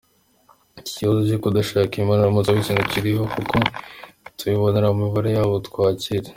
Ati “Ikibazo cyo kudashaka imibonano mpuzabitsina kiriho kuko tubibonera mu mibare yabo twakira.